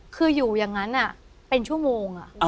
คืออยู่อย่างนั้นเป็นชั่วโมง